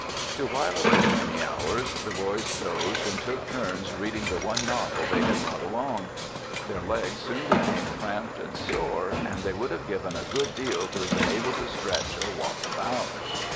To while away the many hours, the boys dozed and took turns reading the one novel they had brought along. Their legs soon became cramped and sore, and they would have given a good deal to have been able to stretch or walk about.